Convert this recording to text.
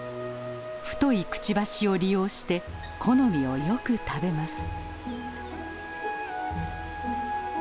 太いくちばしを利用して木の実をよく食べます。